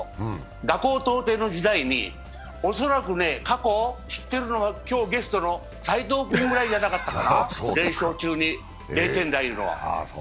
打高投低の時代に恐らく過去知っているのは今日ゲストの斎藤君ぐらいじゃなかったかな、連勝中に０点台というのは。